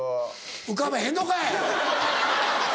浮かべへんのかい！